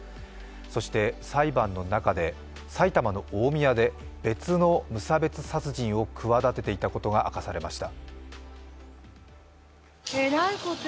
そして、裁判の中で埼玉の大宮で別の無差別殺人を企てていたことが明かされました。